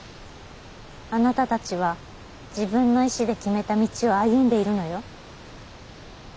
あなたたちは自分の意志で決めた道を歩んでいるのよ。